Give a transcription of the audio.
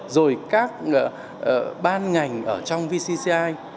rồi các ban ngành ở trong vcci